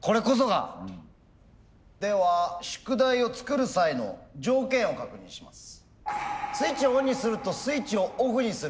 では宿題を作る際の条件を確認します。